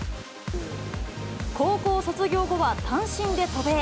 高校卒業後は単身で渡米。